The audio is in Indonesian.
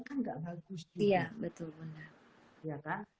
kan gak bagus betul bunda ya kan